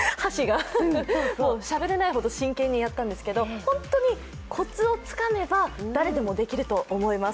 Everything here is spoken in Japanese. もうしゃべれないほど真剣にやったんですけど、本当に、コツをつかめば、誰でもできると思います。